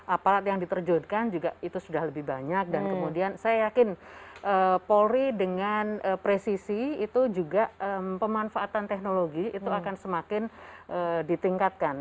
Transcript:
aparat yang diterjunkan juga itu sudah lebih banyak dan kemudian saya yakin polri dengan presisi itu juga pemanfaatan teknologi itu akan semakin ditingkatkan